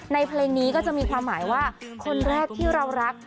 เพลงนี้ก็จะมีความหมายว่าคนแรกที่เรารัก